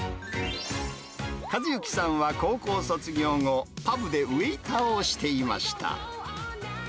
和幸さんは高校卒業後、パブでウエーターをしていました。